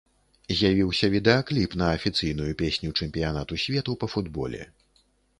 З'явіўся відэакліп на афіцыйную песню чэмпіянату свету па футболе.